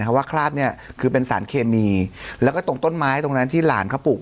เพราะว่าคราบเนี่ยคือเป็นสารเคมีแล้วก็ตรงต้นไม้ตรงนั้นที่หลานเขาปลูก